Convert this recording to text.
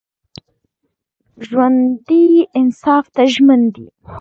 ژوندي انصاف ته ژمن دي